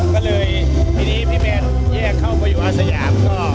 ก็เลยทีนี้พี่แมนแยกเข้าไปอยู่อาสยามก็